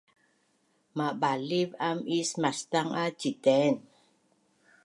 Mabaliv am is maszang a citeng